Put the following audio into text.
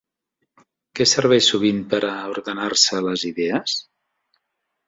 Què serveix sovint per a ordenar-se les idees?